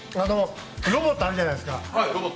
ロボットあるじゃないですか。